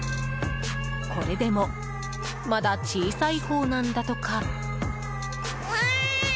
これでもまだ小さいほうなんだとか。